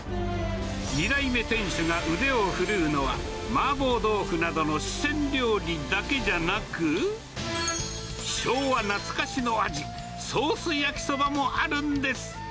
２代目店主が腕を振るうのは、麻婆豆腐などの四川料理だけじゃなく、昭和懐かしの味、ソース焼きそばもあるんです。